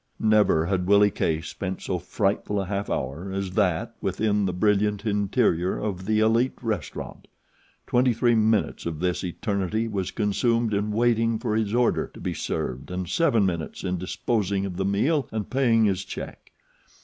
Never had Willie Case spent so frightful a half hour as that within the brilliant interior of The Elite Restaurant. Twenty three minutes of this eternity was consumed in waiting for his order to be served and seven minutes in disposing of the meal and paying his check.